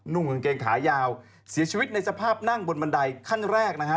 ่งกางเกงขายาวเสียชีวิตในสภาพนั่งบนบันไดขั้นแรกนะฮะ